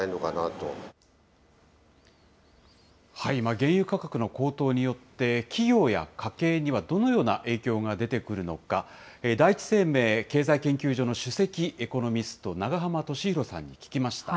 原油価格の高騰によって、企業や家計には、どのような影響が出てくるのか、第一生命経済研究所の首席エコノミストの永濱利廣さんに聞きました。